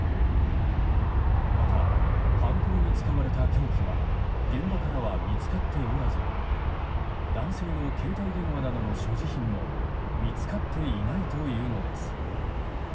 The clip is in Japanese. また、犯行に使われた凶器は現場からは見つかっておらず男性の携帯電話などの所持品も見つかっていないというのです。